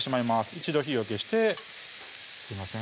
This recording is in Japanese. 一度火を消してすいません